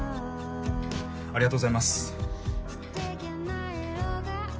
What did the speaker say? ありがとうございます。